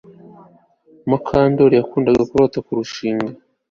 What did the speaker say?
Mukandoli yakundaga kurota kurushinga